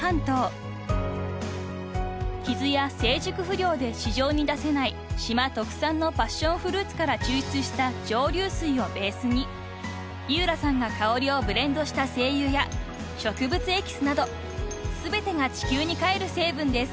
［傷や成熟不良で市場に出せない島特産のパッションフルーツから抽出した蒸留水をベースに井浦さんが香りをブレンドした精油や植物エキスなど全てが地球に返る成分です］